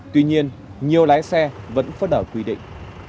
tuy nhiên nhiều lái xe vẫn phớt ở quy định